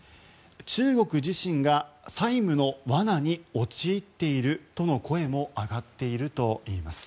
中国自身が債務の罠に陥っているとの声も上がっているといいます。